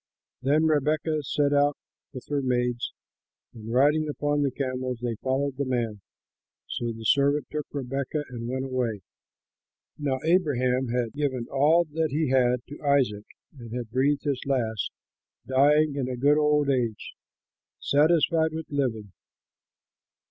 Then Rebekah set out with her maids and, riding upon the camels, they followed the man. So the servant took Rebekah and went away. Now Abraham had given all that he had to Isaac and had breathed his last, dying in a good old age, satisfied with living.